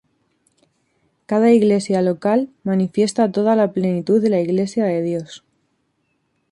Cada Iglesia local manifiesta toda la plenitud de la Iglesia de Dios.